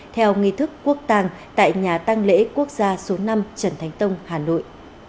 theo nghi thức quốc tàng tại nhà tăng lễ quốc gia số năm trần thánh tông hà nội